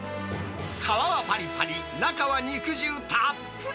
皮はぱりぱり、中は肉汁たっぷり。